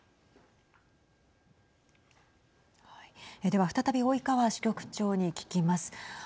では再び及川支局長に聞きます。